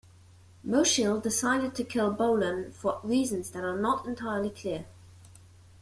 Mosheel decided to kill Bolon for reasons that are not entirely clear.